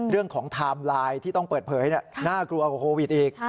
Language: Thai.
ไทม์ไลน์ที่ต้องเปิดเผยน่ากลัวกว่าโควิดอีก